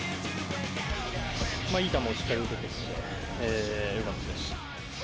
まあ、いい球をしっかり打ててるので、よかったですし。